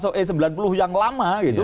bahkan termasuk e sembilan puluh yang lama gitu